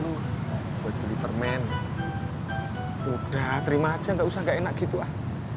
udah terima aja gak usah gak enak gitu ah